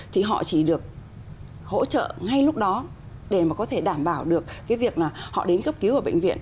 thì họ chỉ được hỗ trợ ngay lúc đó để có thể đảm bảo được việc họ đến cấp cứu ở bệnh viện